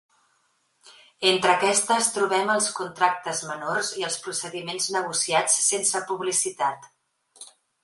Entre aquestes trobem els contractes menors i els procediments negociats sense publicitat.